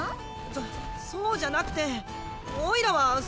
そそうじゃなくておいらはその。